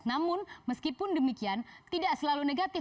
namun meskipun demikian tidak selalu negatif